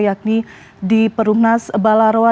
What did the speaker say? yakni di perumnas bala roa